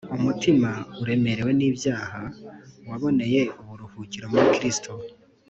umutima uremerewe n’ibyaha waboneye uburuhukiro muri kristo